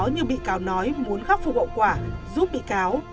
như bị cáo nói muốn khắc phục hậu quả giúp bị cáo